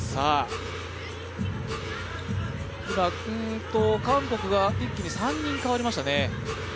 今、韓国が一気に３人代わりましたね。